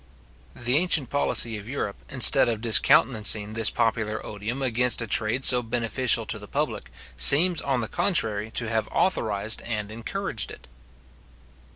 The ancient policy of Europe, instead of discountenancing this popular odium against a trade so beneficial to the public, seems, on the contrary, to have authorised and encouraged it.